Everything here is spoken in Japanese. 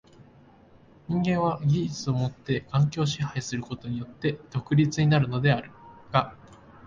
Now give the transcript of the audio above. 人間は技術をもって環境を支配することによって独立になるのであるが、